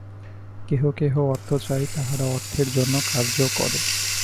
কেহ কেহ অর্থ চায়, তাহারা অর্থের জন্য কার্য করে।